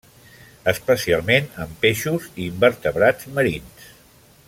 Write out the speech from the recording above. Especialment en peixos i invertebrats marins.